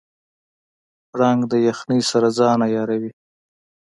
پړانګ د یخنۍ سره ځان عیاروي.